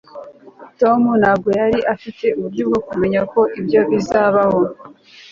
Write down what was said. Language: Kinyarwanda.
tom ntabwo yari afite uburyo bwo kumenya ko ibyo bizabaho